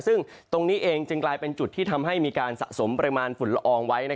ซึ่งตรงนี้เองจึงกลายเป็นจุดที่ทำให้มีการสะสมปริมาณฝุ่นละอองไว้